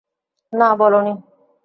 না, বলোনি।